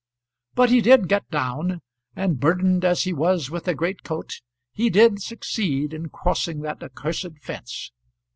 But he did get down, and burdened as he was with a great coat, he did succeed in crossing that accursed fence.